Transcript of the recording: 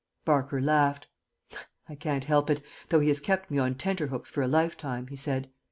Barker laughed. "I can't help it, though he has kept me on tenter hooks for a lifetime," he said.